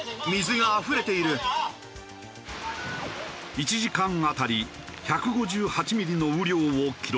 １時間あたり１５８ミリの雨量を記録。